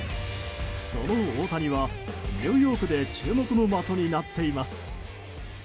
その大谷は、ニューヨークで注目の的になっています。